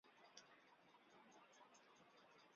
为王得禄剿平海贼时所建。